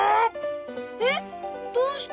えっどうして？